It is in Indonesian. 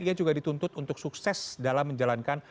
dia juga dituntut untuk sukses dalam menjalankan